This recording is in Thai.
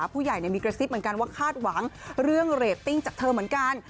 ผู้ใหญ่มีกระซิบเหมือนกันว่าคาดหวังเรื่องเรตติ้งจากเธอเหมือนกัน